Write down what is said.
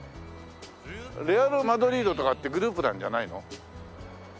レアル・マドリードとかってグループなんじゃないの？